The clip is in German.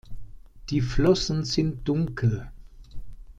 Die Flossen sind dunkel.